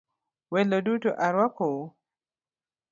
Welo duto aruakou.